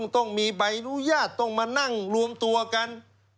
ต้องมีใบอนุญาตต้องมานั่งรวมตัวกัน